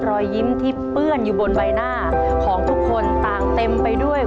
รอยยิ้มที่เปื้อนอยู่บนใบหน้าของทุกคนต่างเต็มไปด้วย